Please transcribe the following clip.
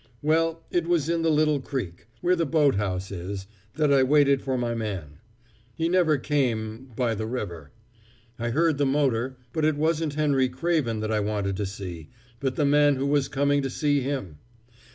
"Well, it was in the little creek, where the boat house is, that I waited for my man. He never came by the river. I heard the motor, but it wasn't Henry Craven that I wanted to see, but the man who was coming to see him.